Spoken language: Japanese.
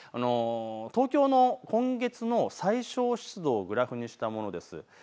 東京の今月の最小湿度をグラフにしたものです。